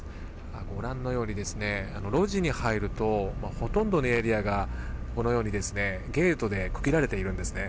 ご覧のように路地に入るとほとんどのエリアがゲートで区切られているんですね。